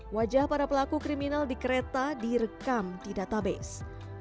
wajah para pelaku kriminal di kereta direkam di database